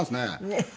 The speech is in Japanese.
ねえ。